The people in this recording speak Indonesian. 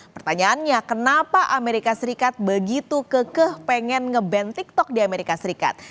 pertanyaannya kenapa amerika serikat begitu kekeh pengen nge ban tiktok di amerika serikat